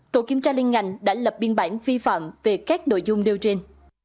tổ kiểm tra liên ngành đã lập biên bản vi phạm về các nội dung nêu trên